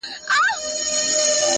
یوه خولگۍ خو مسته، راته جناب راکه